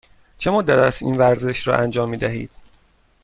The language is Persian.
چه مدت است این ورزش را انجام می دهید؟